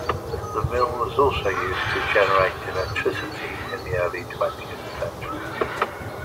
The mill was also used to generate electricity in the early twentieth century.